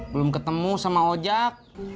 belum ketemu sama ojak